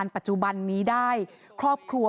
ปี๖๕วันเช่นเดียวกัน